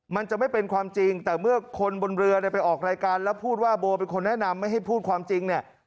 มันจะไม่เป็นความจริงแต่เมื่อคนบนเรือเนี่ยไปออกรายการแล้วพูดว่าโบเป็นคนแนะนำไม่ให้พูดความจริงเนี่ย